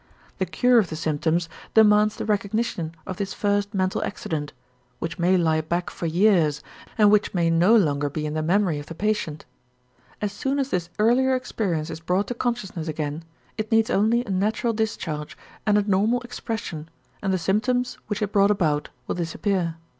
The cure of the symptoms demands the recognition of this first mental accident, which may lie back for years and which may no longer be in the memory of the patient. As soon as this earlier experience is brought to consciousness again, it needs only a natural discharge and a normal expression and the symptoms which it brought about will disappear.